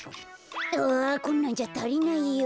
あこんなんじゃたりないよ。